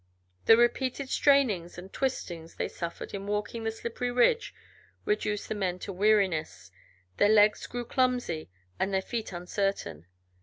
The repeated strainings and twistings they suffered in walking the slippery ridge reduced the men to weariness; their legs grew clumsy and their feet uncertain.